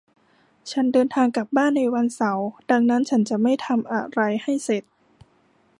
ฉันจะเดินทางกลับบ้านในวันเสาร์ดังนั้นฉันจะไม่ทำอะไรให้เสร็จ